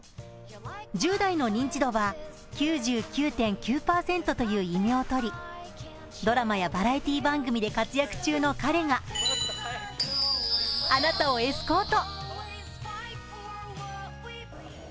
１０代の認知度は９９．９％という異名を取りドラマやバラエティー番組で活躍中の彼があなたをエスコート。